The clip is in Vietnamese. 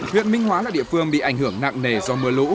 huyện minh hóa là địa phương bị ảnh hưởng nặng nề do mưa lũ